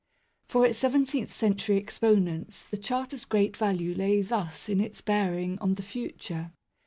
For its seventeenth century exponents the Charter's great value lay thus in its bearing on the future.